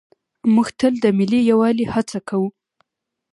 موږ تل د ملي یووالي هڅه کوو.